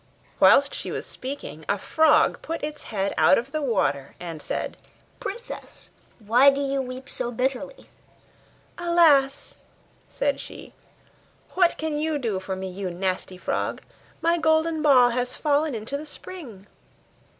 Whilst she was speaking, a frog put its head out of the water, and said, 'Princess, why do you weep so bitterly?' 'Alas!' said she, 'what can you do for me, you nasty frog? My golden ball has fallen into the spring.